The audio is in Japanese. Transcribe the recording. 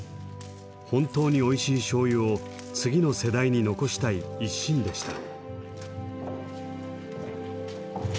本当においしい醤油を次の世代に残したい一心でした。